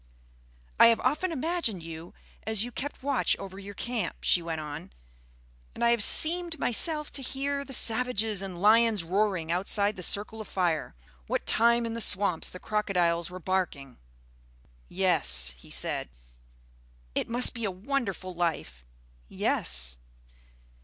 "I have often imagined you as you kept watch over your camp," she went on, "and I have seemed myself to hear the savages and lions roaring outside the circle of fire, what time in the swamps the crocodiles were barking." "Yes," he said. "It must be a wonderful life." "Yes."